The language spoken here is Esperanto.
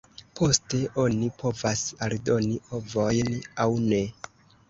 Poste oni povas aldoni ovojn aŭ ne.